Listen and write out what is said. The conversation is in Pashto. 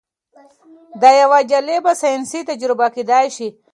دا یوه جالبه ساینسي تجربه کیدی شي.